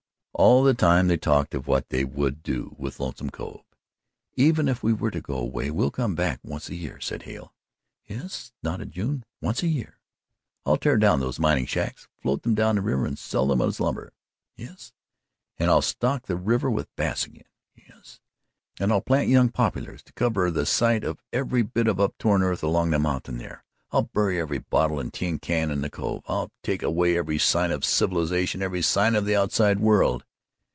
All the time they talked of what they would do with Lonesome Cove. "Even if we do go away, we'll come back once a year," said Hale. "Yes," nodded June, "once a year." "I'll tear down those mining shacks, float them down the river and sell them as lumber." "Yes." "And I'll stock the river with bass again." "Yes." "And I'll plant young poplars to cover the sight of every bit of uptorn earth along the mountain there. I'll bury every bottle and tin can in the Cove. I'll take away every sign of civilization, every sign of the outside world."